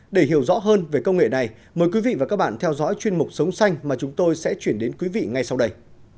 để hiểu rõ hơn về công nghệ này mời quý vị và các bạn theo dõi chuyên mục sống xanh mà chúng tôi sẽ chuyển đến quý vị ngay sau đây